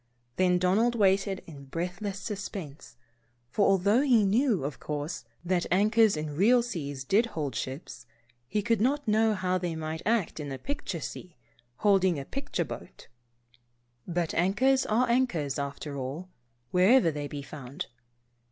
Then Donald waited in breathless suspense, for although he knew, of course, that anchors in real seas did hold real ships, he could not know how they might act in a picture sea, and holding a picture boat. But anchors are anchors, after all, wherever they be found.